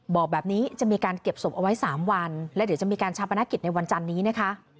บอกแบบนี้จะมีการเก็บศพเอาไว้๓วันและเดี๋ยวจะมีการชาปนกิจในวันจันนี้นะคะ